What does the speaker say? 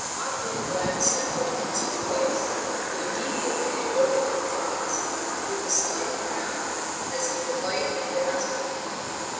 Otway glanced at her once or twice, but immediately averted his eyes with a slight frown, as if the light had dazzled him.